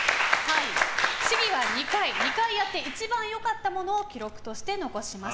試技は２回２回やって一番良かったものを記録として残します。